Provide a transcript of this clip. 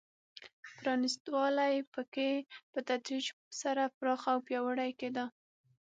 پرانېست والی په کې په تدریج سره پراخ او پیاوړی کېده.